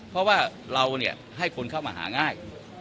เพราะว่าเราเนี่ยให้คนนี้เข้ามาห้าง่าย